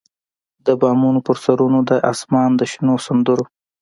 د بامونو پر سرونو د اسمان د شنو سندرو،